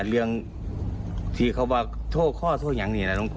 อันเรียนที่เข้าวากโทษค่องังนี้นะครับน้องพอ